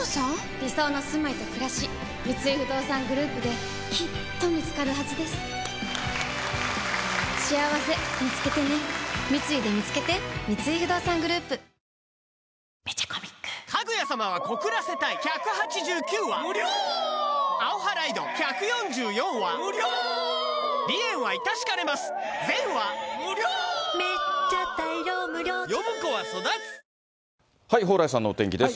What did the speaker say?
理想のすまいとくらし三井不動産グループできっと見つかるはずですしあわせみつけてね三井でみつけて蓬莱さんのお天気です。